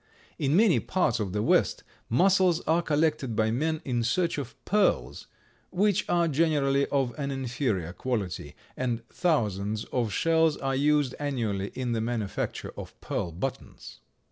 In many parts of the West mussels are collected by men in search of pearls, which are generally of an inferior quality, and thousands of shells are used annually in the manufacture of pearl buttons.